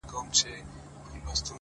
پرمختګ له داخلي بدلون شروع کېږي